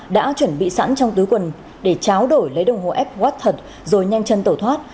đã chuẩn bị sẵn trong tứ quần để tráo đổi lấy đồng hồ apple watch thật rồi nhanh chân tổ thoát